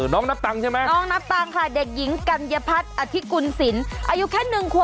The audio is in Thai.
น้องนับตังค์ใช่ไหมน้องนับตังค่ะเด็กหญิงกัญญพัฒน์อธิกุลศิลป์อายุแค่๑ขวบ